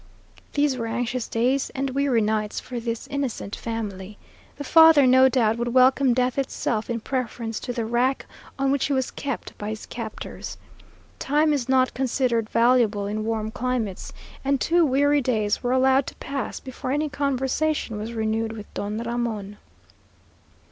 These were anxious days and weary nights for this innocent family. The father, no doubt, would welcome death itself in preference to the rack on which he was kept by his captors. Time is not considered valuable in warm climates, and two weary days were allowed to pass before any conversation was renewed with Don Ramon.